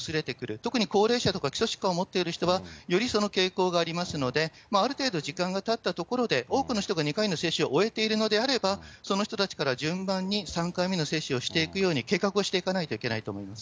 特に高齢者とか基礎疾患を持っている人はよりその傾向がありますので、ある程度、時間がたったところで、多くの人が２回の接種を終えているのであれば、その人たちから順番に、３回目の接種をしていくように、計画をしていかないといけないと思います。